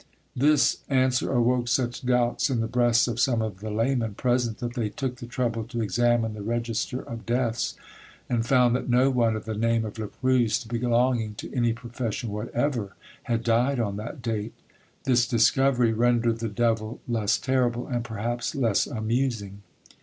This answer awoke such doubts in the breasts of some of the laymen present that they took the trouble to examine the register of deaths, and found that no one of the name of Le Proust, belonging to any profession whatever, had died on that date. This discovery rendered the devil less terrible, and perhaps less amusing.